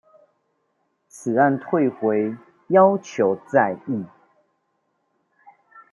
此案退回要求再議